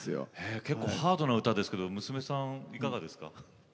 結構ハードな歌ですけれど娘さんはいかがですか？